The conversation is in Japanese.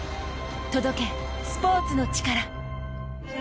届け、スポーツのチカラ。